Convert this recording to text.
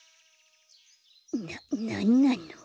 ななんなの。